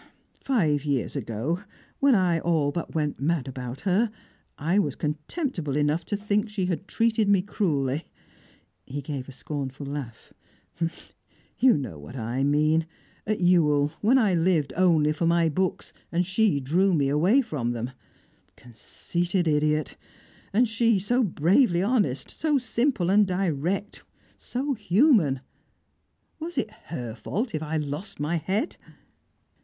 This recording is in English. Five years ago, when I all but went mad about her, I was contemptible enough to think she had treated me cruelly." He gave a scornful laugh. "You know what I mean. At Ewell, when I lived only for my books, and she drew me away from them. Conceited idiot! And she so bravely honest, so simple and direct, so human! Was it her fault if I lost my head?"